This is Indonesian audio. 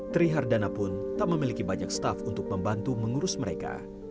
trihardana pun tak memiliki banyak staff untuk membantu mengurus mereka